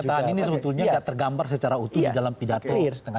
penyataan ini sebetulnya tidak tergambar secara utuh di dalam pidato setengah jam